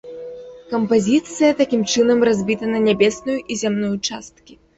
Кампазіцыя такім чынам разбіта на нябесную і зямную часткі.